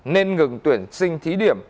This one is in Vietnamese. nên ngừng tuyển sinh thí điểm